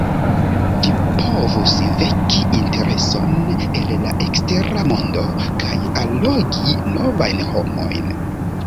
Ĝi povus veki intereson el la ekstera mondo kaj allogi novajn homojn.